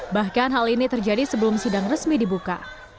bahkan hal ini terjadi sebelum sidang resmi dibuka